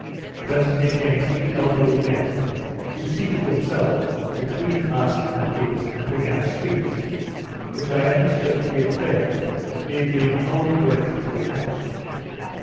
Presently came three elderly men, who seated themselves between us and it, and began a speech, which I understood to be a prayer, it being wholly directed to the house.